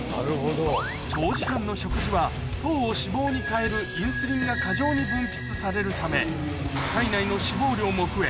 長時間の食事は糖を脂肪に変えるインスリンが過剰に分泌されるため体内の脂肪量も増え